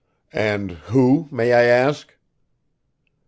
"And who, may I ask?"